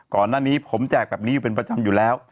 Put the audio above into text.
ก่อนหน้านี้ผมแจกแบบนี้อยู่เป็นประจำอยู่แล้ว